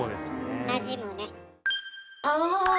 なじむね。